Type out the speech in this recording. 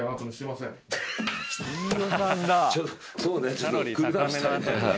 そうね。